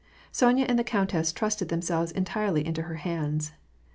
Sonya and the countess trusted themselves entirely to her hands.